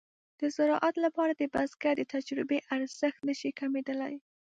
د زراعت لپاره د بزګر د تجربې ارزښت نشي کمېدلای.